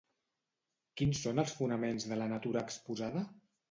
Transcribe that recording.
Quins són els fonaments de La natura exposada?